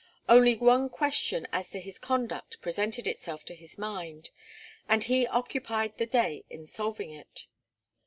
Only one question as to his conduct presented itself to his mind, and he occupied the day in solving it.